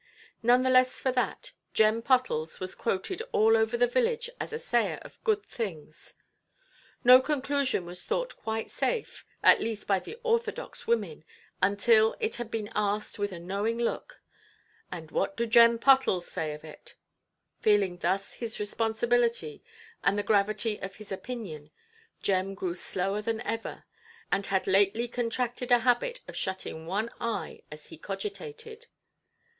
None the less for that, Jem Pottles was quoted all over the village as a sayer of good things. No conclusion was thought quite safe, at least by the orthodox women, until it had been asked with a knowing look—"And what do Jem Pottles say of it"? Feeling thus his responsibility, and the gravity of his opinion, Jem grew slower than ever, and had lately contracted a habit of shutting one eye as he cogitated.